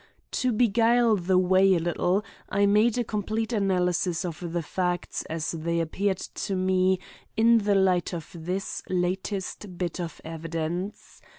To beguile the way a little, I made a complete analysis of the facts as they appeared to me in the light of this latest bit of evidence.